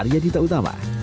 arya dita utama